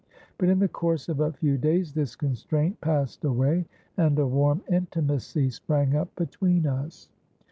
But, in the course of a few days, this constraint passed away, and a warm intimacy sprang up between us.